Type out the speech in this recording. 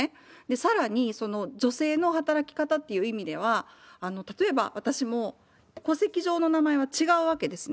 さらに、女性の働き方っていう意味では、例えば、私も戸籍上の名前は違うわけですね。